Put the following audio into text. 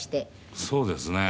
そうですね。